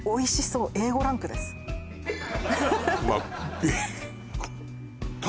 うわっＡ